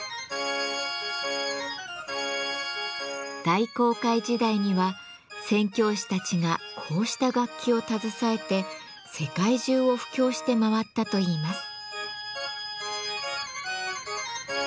大航海時代には宣教師たちがこうした楽器を携えて世界中を布教して回ったといいます。